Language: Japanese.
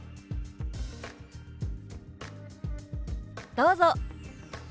どうぞ。